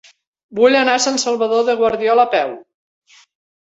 Vull anar a Sant Salvador de Guardiola a peu.